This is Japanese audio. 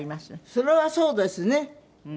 それはそうですね。